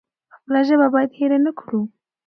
خپله ژبه بايد هېره نکړو.